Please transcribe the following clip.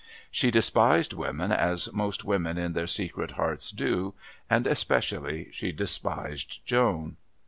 She despised women as most women in their secret hearts do, and especially she despised Joan.